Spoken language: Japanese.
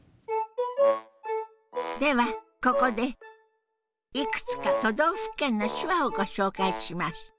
ではここでいくつか都道府県の手話をご紹介します。